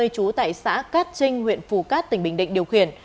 chú tại xã cát trinh huyện phù cát tỉnh bình định điều khiển